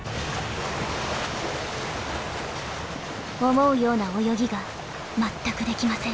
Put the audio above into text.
思うような泳ぎが全くできません。